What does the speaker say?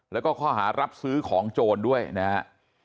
แล้วก็ข้อหารับซื้อของโจรด้วยนะครับ